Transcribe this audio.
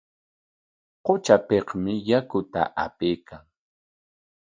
Qutrapikmi yakuta apaykan.